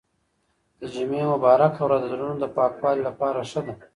د جمعې مبارکه ورځ د زړونو د پاکوالي لپاره ښه ده.